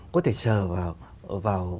có thể sờ vào